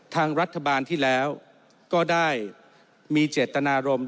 ทางรัฐบาลที่แล้วก็ได้มีเจตนารมณ์